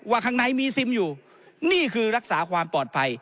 ข้างในมีซิมอยู่นี่คือรักษาความปลอดภัย